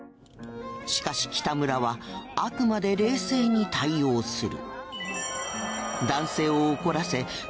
しかし北村はあくまで冷静に対応する。